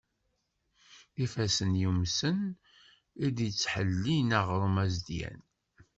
D ifassen yumsen, i d-yettḥellin aɣrum azedyan.